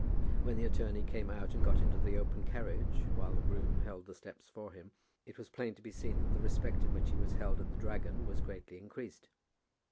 When the attorney came out and got into the open carriage, while the groom held the steps for him, it was plain to be seen that the respect in which he was held at "The Dragon" was greatly increased.